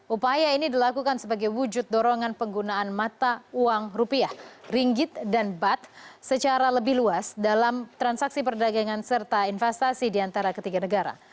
upaya ini dilakukan sebagai wujud dorongan penggunaan mata uang rupiah ringgit dan bat secara lebih luas dalam transaksi perdagangan serta investasi di antara ketiga negara